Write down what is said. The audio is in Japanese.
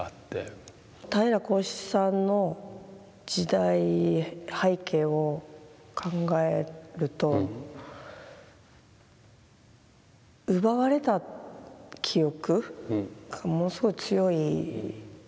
平良孝七さんの時代背景を考えると奪われた記憶がものすごい強い。